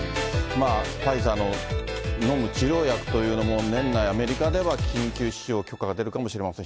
ファイザーの飲む治療薬というのも、年内、アメリカでは緊急使用、許可が出るかもしれません。